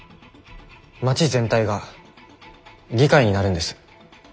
街全体が議会になるんです。